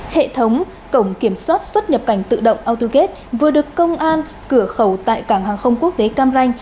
hệ thống cổng kiểm soát xuất nhập cảnh tự động autogate vừa được công an cửa khẩu tại cảng hàng không quốc tế cam ranh